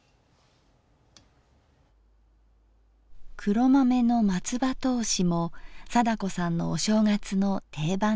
黒豆の松葉とおしも貞子さんのお正月の定番です。